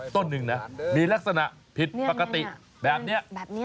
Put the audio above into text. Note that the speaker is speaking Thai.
ต้นหนึ่งนะมีลักษณะผิดปกติแบบนี้